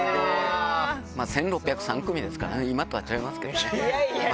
１６０３組ですからね、今とはちゃいますけどね。